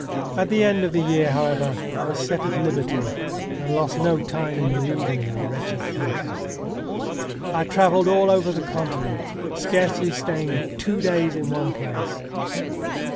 At the end of the year, however, I was set at liberty, and lost no time in leaving the wretched country. I travelled all over the Continent, scarcely staying two days in one place.